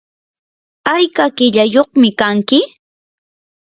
¿ayka qillayyuqmi kanki?